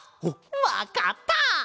わかった！